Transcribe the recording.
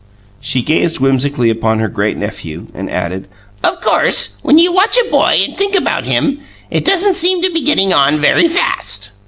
She gazed whimsically upon her great nephew and added, "Of course, when you watch a boy and think about him, it doesn't seem to be getting on very fast."